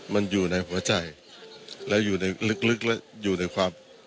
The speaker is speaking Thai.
มันอยู่ในหัวใจและอยู่ในลึกและอยู่ในความ